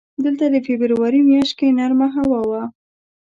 دلته د فبروري میاشت کې نرمه هوا وه.